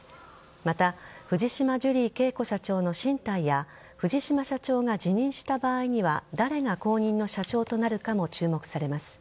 また藤島ジュリー景子社長の進退や藤島社長が辞任した場合には誰が後任の社長となるかも注目されます。